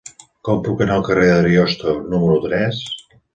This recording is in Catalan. Com puc anar al carrer d'Ariosto número tres?